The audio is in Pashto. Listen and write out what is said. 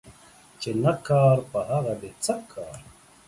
چي نه کار په هغه دي څه کار.